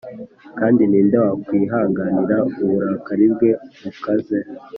Kandi ni nde wakwihanganira uburakari bwe bukaze?